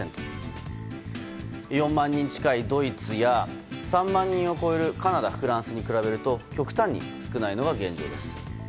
４万人近いドイツや３万人を超えるカナダ、フランスに比べると極端に少ないのが現状です。